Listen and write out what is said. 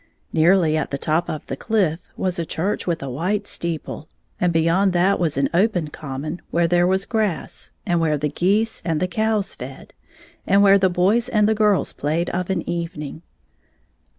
Nearly at the top of the chff was a church with a white steeple, and beyond that was an open common, where there was grass, and where the geese and the cows fed, and where the boys and the girls played of an evening.